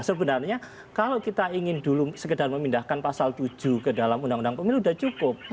sebenarnya kalau kita ingin dulu sekedar memindahkan pasal tujuh ke dalam undang undang pemilu sudah cukup